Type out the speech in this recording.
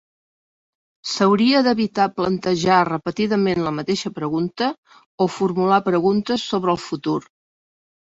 S'hauria d'evitar plantejar repetidament la mateixa pregunta o formular preguntes sobre el futur.